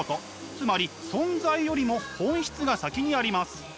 つまり存在よりも本質が先にあります。